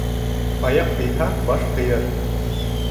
Аяҡ һыйһа, баш һыйыр.